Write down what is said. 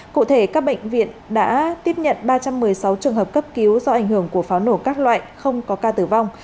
cụ thể các bệnh viện đã tiếp nhận ba trăm một mươi sáu trường hợp cấp cứu do ảnh hưởng của pháo nổ các loại không có ca tử vong